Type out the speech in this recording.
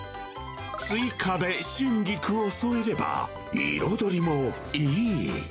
追加で春菊を添えれば、彩りもいい。